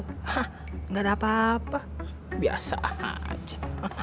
hah gak ada apa apa biasa aja